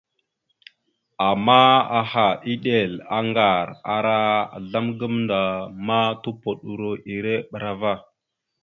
Ama aha, eɗel, aŋgar ara azzlam gamənda ma tupoɗoro ere bra ava.